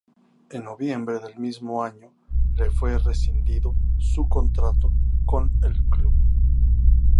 En noviembre del mismo año le fue rescindido su contrato con el club.